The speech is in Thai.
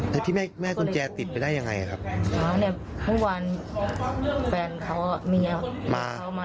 พี่แม่แม่กุญแจติดไปได้ยังไงครับอ่าเนี่ยทุกวันแฟนเขาเมียเขามา